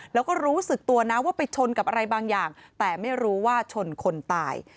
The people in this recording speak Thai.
แล้วก็รู้สึกตัวนะว่าไปชนกับอะไรบางอย่างแต่ไม่รู้ว่าชนคนตาย